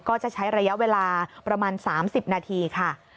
ก็จะใช้ระยะเวลาประมาณ๓๐นาทีค่ะ